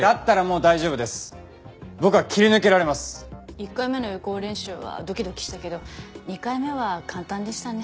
１回目の予行練習はドキドキしたけど２回目は簡単でしたね。